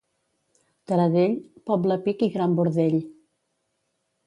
Taradell, poble pic i gran bordell.